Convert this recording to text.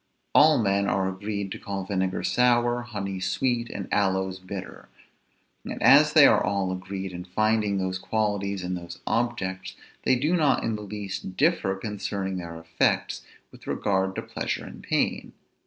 All men are agreed to call vinegar sour, honey sweet, and aloes bitter; and as they are all agreed in finding those qualities in those objects, they do not in the least differ concerning their effects with regard to pleasure and pain.